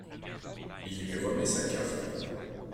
Il lui remet sa carte.